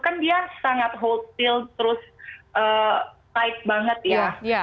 kan dia sangat hold still terus tight banget ya